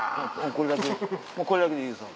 これだけもうこれだけでいいですわ。